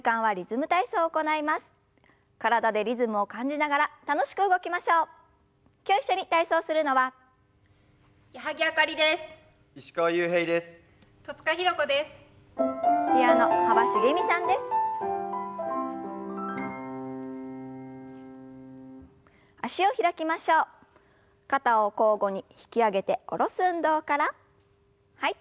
はい。